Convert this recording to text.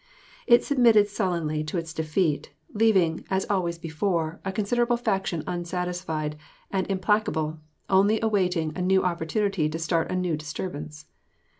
It submitted sullenly to its defeat; leaving, as always before, a considerable faction unsatisfied and implacable, only awaiting a new opportunity to start a new disturbance.